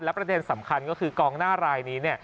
ประเด็นสำคัญก็คือกองหน้ารายนี้